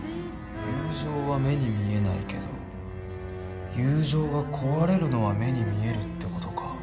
友情は目に見えないけど友情が壊れるのは目に見えるって事か。